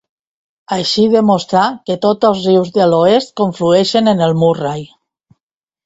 Així demostrà que tots els rius de l'oest conflueixen en el Murray.